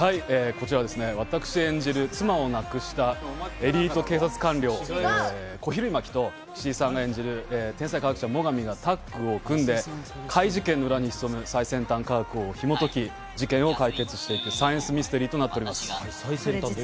こちら私、演じる妻を亡くしたエリート警察官僚・小比類巻と岸井さんが演じる最上がタッグを組んで怪事件の裏に潜む最先端科学をひもとき、事件を解決していくサイエンスミステリーとなっております。